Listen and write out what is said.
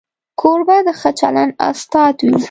کوربه د ښه چلند استاد وي.